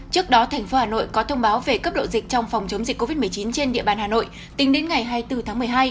trước đó tp hà nội có thông báo về cấp độ dịch trong phòng chống dịch covid một mươi chín trên địa bàn hà nội tính đến ngày hai mươi bốn tháng một mươi hai